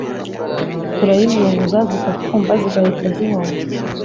turayizunguza, zikatwumva zigahita zihunga